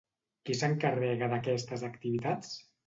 Qui s'encarrega d'aquestes activitats?